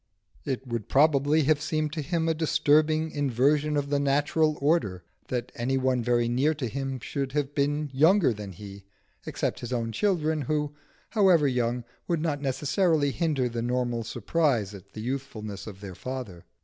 It would probably have seemed to him a disturbing inversion of the natural order that any one very near to him should have been younger than he, except his own children who, however young, would not necessarily hinder the normal surprise at the youthfulness of their father.